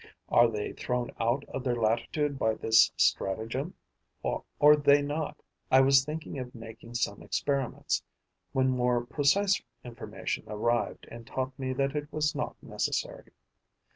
Are they thrown out of their latitude by this stratagem, are or they not? I was thinking of making some experiments, when more precise information arrived and taught me that it was not necessary.